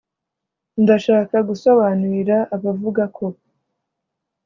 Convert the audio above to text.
Ndashaka gusobanurira abavuga ko